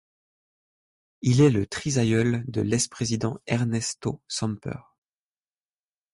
Il est le trisaïeul de l'es-Président Ernesto Samper.